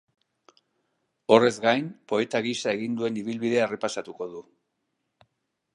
Horrez gain, poeta gisa egin duen ibilbidea errepasatuko du.